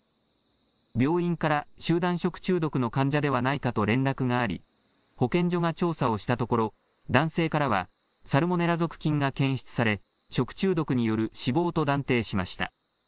病院から集団食中毒の患者ではないかと連絡があり保健所が調査をしたところ男性からはサルモネラ属菌が検出され食中毒による死亡と断定しました。